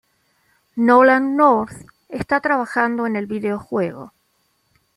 Nolan North está trabajando en el videojuego.